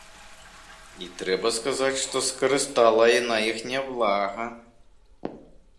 І трэба сказаць, што скарыстала яна іх няблага.